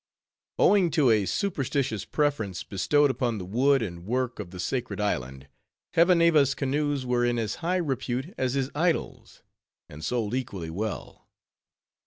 Owing to a superstitious preference bestowed upon the wood and work of the sacred island, Hevaneva's canoes were in as high repute as his idols; and sold equally well.